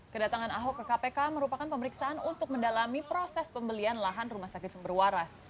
kedatangan ahok ke kpk merupakan pemeriksaan untuk mendalami proses pembelian lahan rumah sakit sumber waras